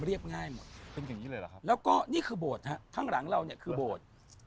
แล้วก็นี่คือโบสถ์ฮะทั้งหลังเราเนี่ยคือโบสถ์